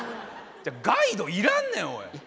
ガイド要らんねんおい。